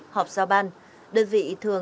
họp giao ban